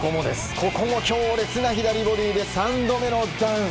ここも強烈な左ボディーで３度目のダウン。